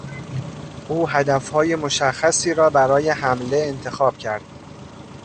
او هدفهای مشخصی را برای حمله انتخاب کرد.